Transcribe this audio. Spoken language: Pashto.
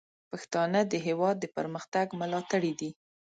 پښتانه د هیواد د پرمختګ ملاتړي دي.